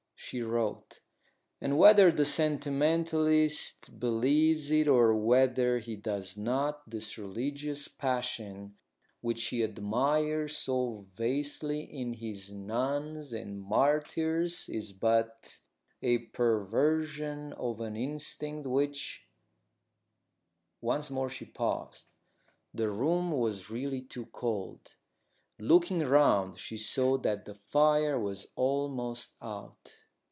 She wrote: "And, whether the sentimentalist believes it or whether he does not, this religious passion which he admires so vastly in his nuns and martyrs is but a perversion of an instinct which " Once more she paused. The room was really too cold. Looking round, she saw that the fire was almost out.